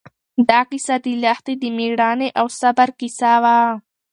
دا کیسه د لښتې د مېړانې او صبر کیسه وه.